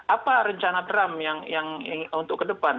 apa rencana trump yang untuk ke depan